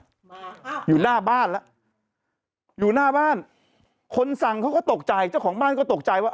มาอยู่หน้าบ้านแล้วอยู่หน้าบ้านคนสั่งเขาก็ตกใจเจ้าของบ้านก็ตกใจว่า